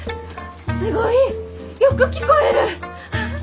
すごい！よく聞こえる！